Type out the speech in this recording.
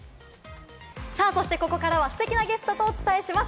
そして、ここからはステキなゲストとお伝えします。